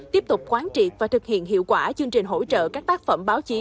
tiếp tục quán triệt và thực hiện hiệu quả chương trình hỗ trợ các tác phẩm báo chí